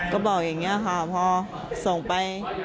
ก็บอกอย่างนี้ค่ะพอส่งไป